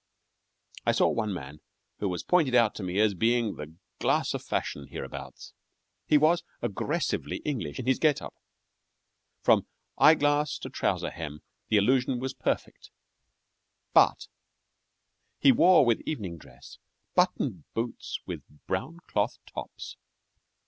I saw one man who was pointed out to me as being the glass of fashion hereabouts. He was aggressively English in his get up. From eye glass to trouser hem the illusion was perfect, but he wore with evening dress buttoned boots with brown cloth tops!